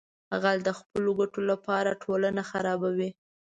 غل د خپلو ګټو لپاره ټولنه خرابوي